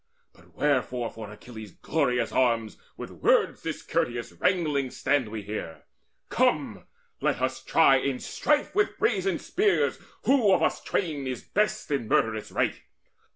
But wherefore for Achilles' glorious arms With words discourteous wrangling stand we here? Come, let us try in strife with brazen spears Who of us twain is best in murderous right!